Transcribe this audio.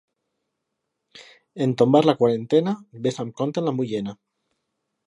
En tombar la quarantena, ves amb compte amb la mullena.